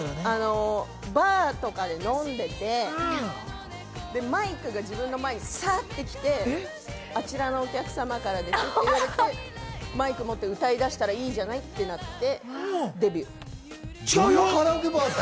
バーとかで飲んでて、マイクが自分の前にサッて来て、あちらのお客様からですって言われて、マイク持って歌いだしたらいいじゃないってなってデビュー。